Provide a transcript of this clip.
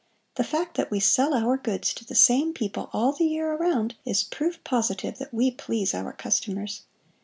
The fact that we sell our goods to the same people all the year around is proof positive that we please our customers.